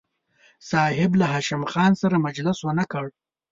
صاحب له هاشم خان سره مجلس ونه کړ.